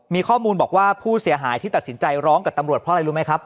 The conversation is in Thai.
มีข้อมูลบอกว่าผู้เสียหายที่ตัดสินใจร้องกับตำรวจเพราะอะไรรู้ไหมครับ